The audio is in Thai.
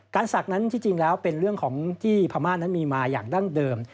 ศักดิ์นั้นที่จริงแล้วเป็นเรื่องของที่พม่านั้นมีมาอย่างดั้งเดิม